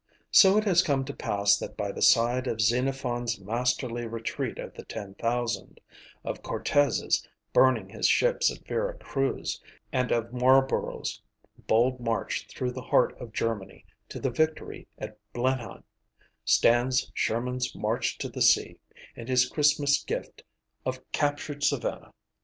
So it has come to pass that by the side of Xenophon's masterly "retreat of the Ten Thousand," of Cortes's burning his ships at Vera Cruz, and of Marlborough's bold march through the heart of Germany to the victory at Blenheim, stands Sherman's March to the Sea and his "Christmas Gift" of captured Savannah.